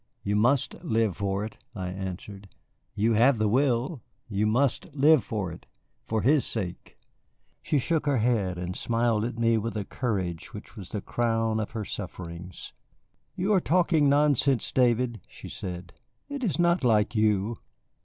"You must live for it," I answered. "You have the will. You must live for it, for his sake." She shook her head, and smiled at me with a courage which was the crown of her sufferings. "You are talking nonsense, David," she said; "it is not like you.